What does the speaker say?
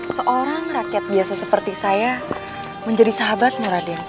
seorang rakyat biasa seperti saya menjadi sahabatmu raden